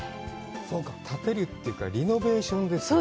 そうか、建てるというか、リノベーションですね。